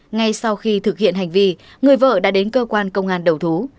ngay sau khi thực hiện hành vi người vợ đã đến cơ quan công an đầu thú